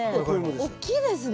おっきいですね。